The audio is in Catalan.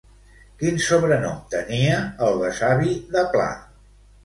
Quin sobrenom tenia el besavi de Pla?